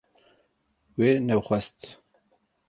We nexwest